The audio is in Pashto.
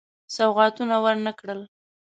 سوغاتونه ورنه کړل.